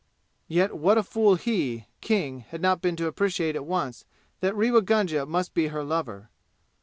Yet what a fool he, King, had been not to appreciate at once that Rewa Gunga must be her lover.